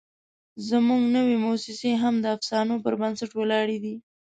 زموږ نوې موسسې هم د افسانو پر بنسټ ولاړې دي.